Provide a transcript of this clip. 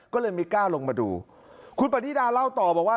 ก็เลยไม่กล้าลงมาดูคุณปณิดาเล่าต่อบอกว่า